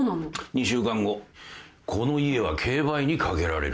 ２週間後この家は競売にかけられる。